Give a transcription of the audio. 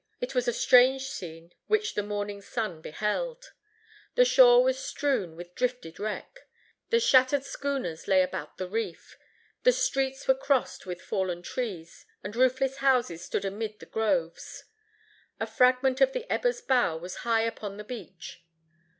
It was a strange scene which the morning sun beheld. The shore was strewn with drifted wreck. The shattered schooners lay about the reef. The streets were crossed with fallen trees, and roofless houses stood amid the groves. A fragment of the Eber's bow was high upon the beach.